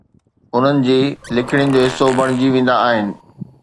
انهن جي لکڻين جو حصو بڻجي ويندا آهن